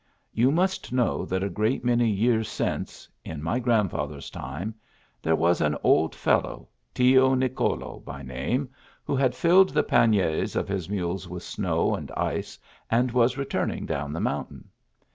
You must know that a great many years since, in my grandfather s time, there was an old feliow, Tio Nicolo by name, who had filled the panniers of his mules with snow and ice, and was returning down the mountain.